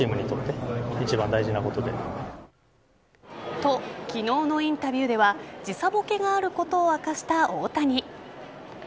と、昨日のインタビューでは時差ぼけがあることを明かした大谷。